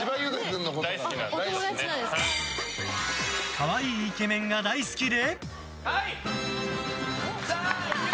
可愛いイケメンが大好きで。